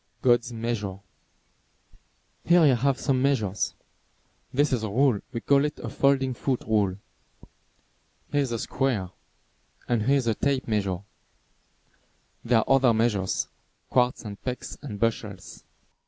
"_ GOD'S MEASURE Here I have some measures. This is a rule, we call it a folding foot rule. Here is a square. And here is a tape measure. There are other measures, quarts and pecks and bushels.